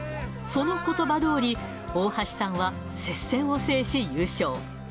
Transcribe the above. そのことばどおり、大橋さんは接戦を制し優勝。